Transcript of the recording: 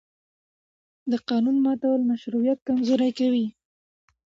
د قانون ماتول مشروعیت کمزوری کوي